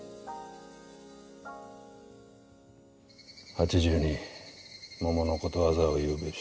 「８２桃のことわざを言うべし」。